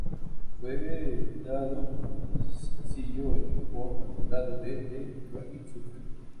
Fue editado como sencillo en Japón con el lado B "The Rocking Surfer".